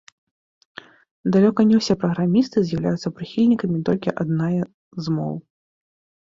Далёка не ўсе праграмісты з'яўляюцца прыхільнікамі толькі аднае з моў.